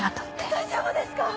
大丈夫ですか！？